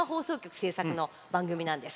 制作の番組なんです。